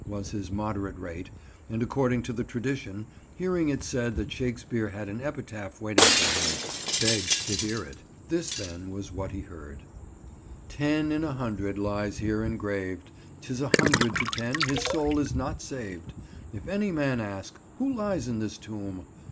was his moderate rate, and, according to the tradition, hearing it said that Shakespeare had an epitaph waiting for him, begged to hear it. This, then, was what he heard— "Ten in a hundred lies here engraved, 'Tis a hundred to ten his soul is not saved. If any man ask, Who lies in this tomb?